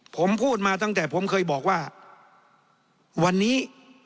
ผมพูดมาตั้งแต่ผมเคยบอกว่าวันนี้